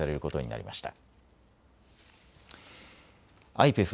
ＩＰＥＦ